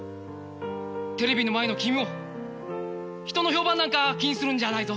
テレビの前の君も人の評判なんか気にするんじゃないぞ。